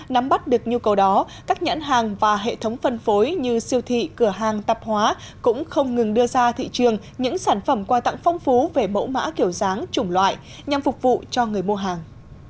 nắm bắt được nhu cầu đó các nhãn hàng và hệ thống phân phối như siêu thị cửa hàng tạp hóa cũng không ngừng đưa ra thị trường những sản phẩm quà tặng phong phú về mẫu mã kiểu dáng chủng loại nhằm phục vụ cho người mua hàng